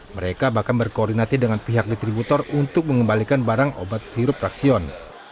mereka bahkan berkoordinasi dengan pihak distributor untuk mengembalikan barang obat sirup fraksion